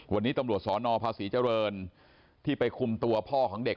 วันนี้ตำรวจสนภาษีเจริญที่ไปคุมตัวพ่อของเด็ก